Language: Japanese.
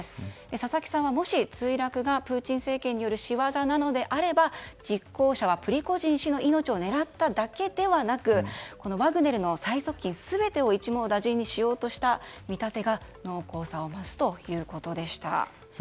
佐々木さんはもし墜落がプーチン政権による仕業などだとすれば実行犯はプリゴジン氏の命を狙っただけではなく、ワグネルの最側近全てを一網打尽にしようとしたという見立てが濃厚さを増すということでした。